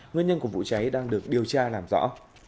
nguyên nhân của vụ cháy đang được điều tra làm rõ